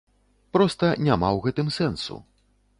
Проста няма ў гэтым сэнсу.